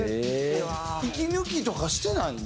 息抜きとかしてないの？